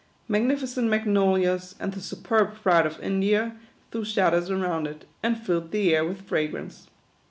Magnificent Magnolias, and the superb Pride of India, threw shadows around it, and filled the air with fragrance.